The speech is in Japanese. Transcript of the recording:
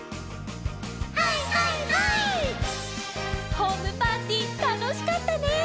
ホームパーティーたのしかったね。